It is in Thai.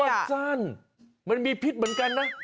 มันสั้นมันมีพิษเหมือนกันนะ